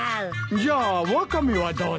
じゃあワカメはどうだ。